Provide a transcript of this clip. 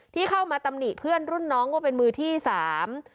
ที่เข้ามาตำหนิเพื่อนรุ่นน้องว่าเป็นมือที่สาม